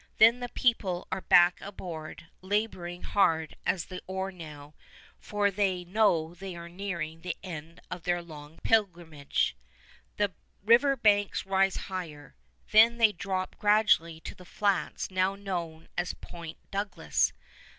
Then the people are back aboard, laboring hard at the oar now, for they know they are nearing the end of their long pilgrimage. The river banks rise higher. Then they drop gradually to the flats now known as Point Douglas.